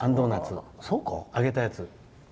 揚げたやつ。